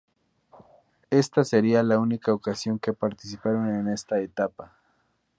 Esta sería la única ocasión que participaron en esta etapa.